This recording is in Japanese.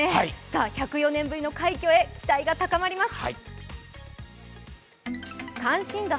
１０４年ぶりの快挙へ期待が高まります。